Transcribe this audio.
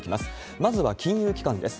まずは金融機関です。